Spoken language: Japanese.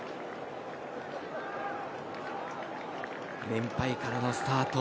連敗からのスタート。